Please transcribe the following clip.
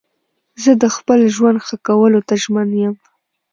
زه د خپل ژوند ښه کولو ته ژمن یم.